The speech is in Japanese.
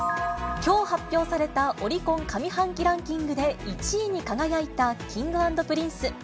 きょう発表されたオリコン上半期ランキングで１位に輝いたＫｉｎｇ＆Ｐｒｉｎｃｅ。